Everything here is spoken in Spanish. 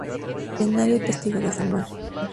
Milenario testigo desde el mar.